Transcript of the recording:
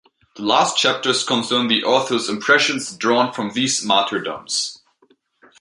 The last chapters concern the author's impressions drawn from these martyrdoms.